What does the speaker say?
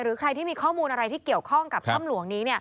ใครที่มีข้อมูลอะไรที่เกี่ยวข้องกับถ้ำหลวงนี้